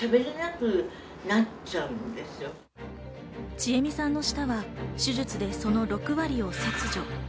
ちえみさんの舌は手術でその６割を切除。